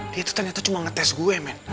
dia tuh ternyata cuma ngetes gue men